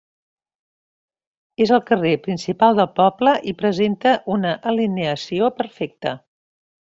És el carrer principal del poble i presenta una alineació perfecta.